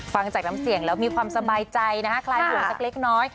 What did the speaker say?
ฟังจากน้ำเสียงแล้วมีความสบายใจนะคะคลายห่วงสักเล็กน้อย